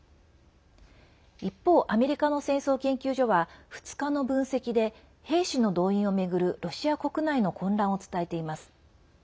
一方、アメリカの戦争研究所は２日の分析で兵士の動員を巡るロシア国内の混乱を伝えています。